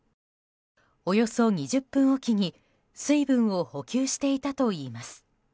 およそ２０分おきに水分を補給していたといいます。